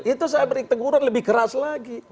itu saya beri teguran lebih keras lagi